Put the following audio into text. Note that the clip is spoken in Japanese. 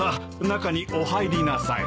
中にお入りなさい。